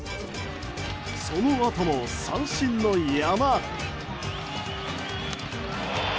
そのあとも三振の山。